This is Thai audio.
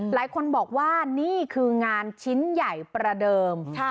หลายคนบอกว่านี่คืองานชิ้นใหญ่ประเดิม